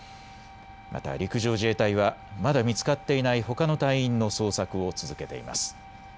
また陸上自衛隊はまだ見つかっていないほかの隊員の捜索を続けています。